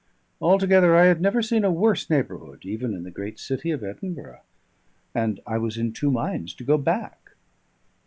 Altogether, I had never seen a worse neighbourhood, even in the great city of Edinburgh, and I was in two minds to go back.